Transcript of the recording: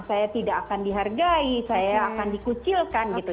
saya tidak akan dihargai saya akan dikucilkan gitu